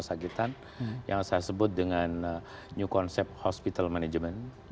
sakitan yang saya sebut dengan new concept hospital management